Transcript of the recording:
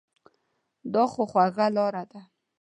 دا خو اوږده لاره ده ؟